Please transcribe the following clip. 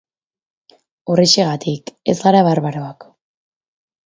Horrexegatik, ez gara barbaroak.